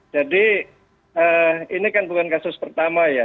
jadi ini kan bukan kasus pertama ya